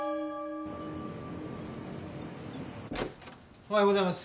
おはようございます。